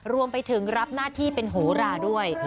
รวมไปถึงรับหน้าที่เป็นโหราด้วย